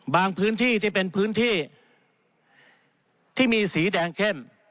พื้นที่ที่เป็นพื้นที่ที่มีสีแดงเข้ม